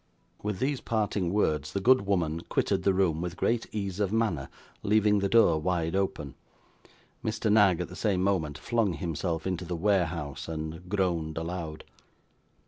With these parting words, the good woman quitted the room with great ease of manner, leaving the door wide open; Mr. Knag, at the same moment, flung himself into the 'warehouse,' and groaned aloud.